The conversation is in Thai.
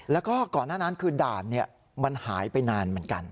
แล้วก็ก่อนหน้านั้นคือด่านมันหายไปนานเหมือนกัน